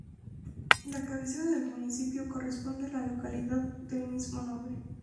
La cabecera del municipio corresponde a la localidad del mismo nombre.